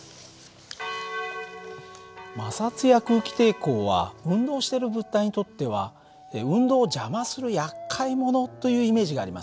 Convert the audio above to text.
摩擦や空気抵抗は運動している物体にとっては運動を邪魔するやっかい者というイメージがありますね。